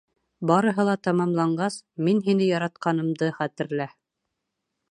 Барыһы ла тамамланғас, мин һине яратҡанымды хәтерлә.